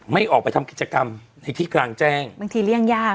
ไม่ออกไปทำกิจกรรมในที่กลางแจ้งบางทีเลี่ยงยาก